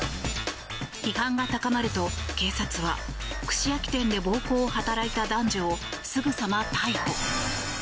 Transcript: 批判が高まると、警察は串焼き店で暴行を働いた男女をすぐさま逮捕。